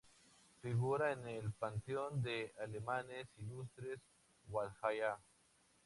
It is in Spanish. Figura en el panteón de alemanes ilustres Walhalla.